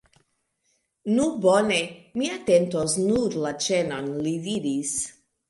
Nu bone, mi atentos nur la ĉenon, li diris.